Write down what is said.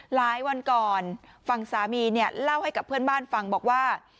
หลายวันก่อนฝั่งสามีเนี่ยเล่าให้กับเพื่อนบ้านฟังบอกว่า